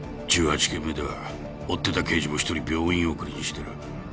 １８件目では追ってた刑事も１人病院送りにしてる。